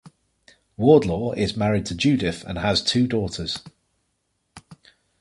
Wardlaw is married to Judith and has two daughters.